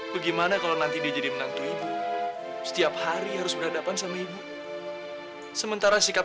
bagaimana kalau nanti dia jadi menantu ibu setiap hari harus berhadapan sama ibu sementara sikap